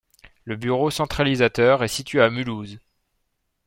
Le bureau centralisateur est situé à Mulhouse.